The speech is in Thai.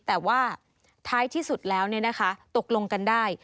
แต่ว่าท้ายที่สุดแล้วตกลงกันได้